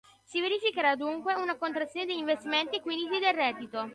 Si verificherà dunque una contrazione degli investimenti e quindi del reddito.